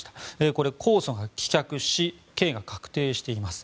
これは控訴が棄却し刑が確定しています。